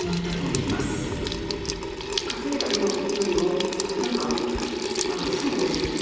いま稼いだ分よりも、なんか損をしてる。